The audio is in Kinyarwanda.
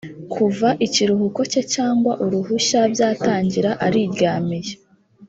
kuva ikiruhuko cye cyangwa uruhushya byatangira ariryamiye